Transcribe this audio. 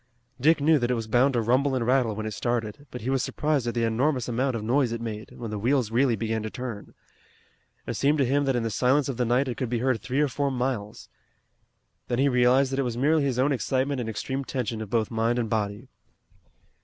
Dick knew that it was bound to rumble and rattle when it started, but he was surprised at the enormous amount of noise it made, when the wheels really began to turn. It seemed to him that in the silence of the night it could be heard three or four miles. Then he realized that it was merely his own excitement and extreme tension of both mind and body.